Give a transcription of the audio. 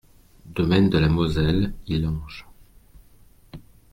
Domaine de la Moselle, Illange